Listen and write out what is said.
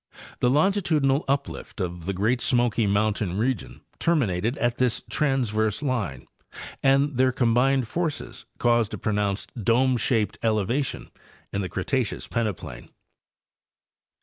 The longitudinal uplift of the Great Smoky mountain region terminated at this transverse line, and their combined forces caused a pronounced dome shaped elevation in the Cretaceous peneplain.